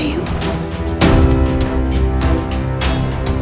supaya avicara menang orthodontist